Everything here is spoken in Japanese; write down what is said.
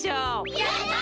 やった！